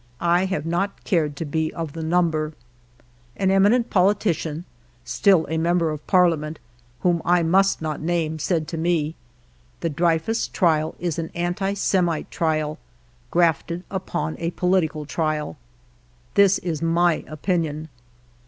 I have not cared to be of the number. An eminent politician, still a member of Parliament, whom I must not name, said to me :—" The Dreyfus trial is an anti Semite trial, grafted upon a political trial !" This is my opinion.